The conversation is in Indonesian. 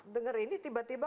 denger ini tiba tiba